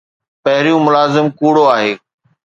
پهريون ملازم ڪوڙو آهي